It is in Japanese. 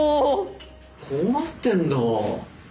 こうなってんだ。